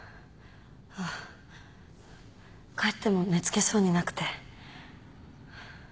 あ帰っても寝付けそうになくて。